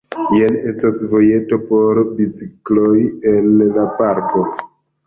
Jam estas vojeto por bicikloj en la parko.